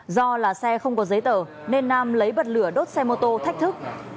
do là xe không có giấy tờ nên nam lấy bật lửa đốt xe mô tô thách thức